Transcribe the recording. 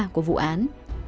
của vụ án